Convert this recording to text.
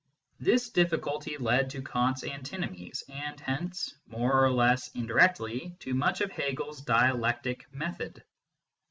This difficulty led ^ to Kant s antinomies, and hence, more or less indirectly, to much of Hegel s dialectic method.